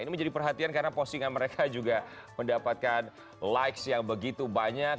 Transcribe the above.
ini menjadi perhatian karena postingan mereka juga mendapatkan likes yang begitu banyak